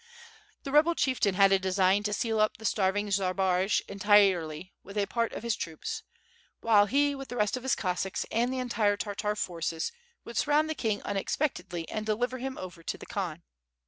The rebel chieftain had a design to seal up the starving Zbaraj entirely with a part of his troops, while he with the rest of his Cossacks, and the entire Tartar forces, would sur round the king unexpectedly and deliver him over to the Khan.